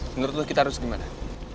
menurut lu kita harus gimana